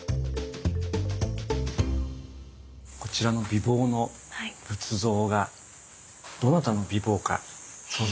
こちらの美貌の仏像がどなたの美貌か想像つきますか？